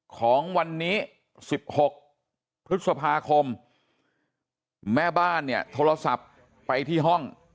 ของวันนี้๑๖พฤษภาคมแม่บ้านเนี่ยโทรศัพท์ไปที่ห้อง